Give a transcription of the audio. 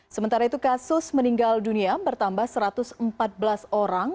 sementara itu kasus meninggal dunia bertambah satu ratus empat belas orang